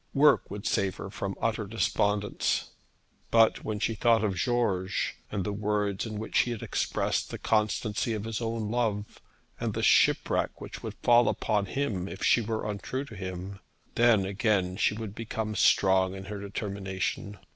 Work would save her from utter despondence. But when she thought of George, and the words in which he had expressed the constancy of his own love, and the shipwreck which would fall upon him if she were untrue to him, then again she would become strong in her determination.